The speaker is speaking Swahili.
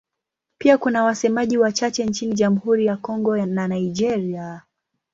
Pia kuna wasemaji wachache nchini Jamhuri ya Kongo na Nigeria.